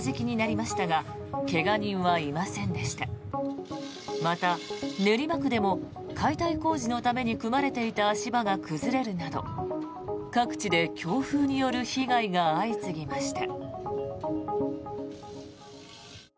また、練馬区でも解体工事のために組まれていた足場が崩れるなど各地で強風による被害が相次ぎました。